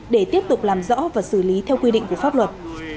để tiếp tục làm rõ và xử lý theo quy định của pháp luật